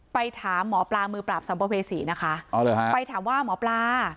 ไปถามหมอปลามือปราบสัมภเวษีนะคะอ๋อเหรอฮะไปถามว่าหมอปลา